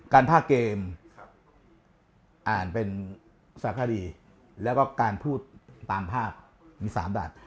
ภาคเกมอ่านเป็นสาคดีแล้วก็การพูดตามภาพมี๓ด่าน